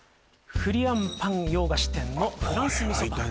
フリアンパン洋菓子店のフランスみそパン